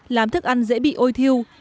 làm thức ăn dễ bị ôi thiêu